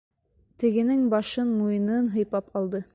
Тегенең башын, муйынын һыйпап алды.